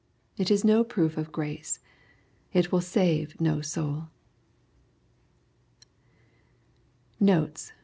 It is no proof of grace. It will save no souL Notes.